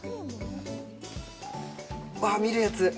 わあ、見るやつ。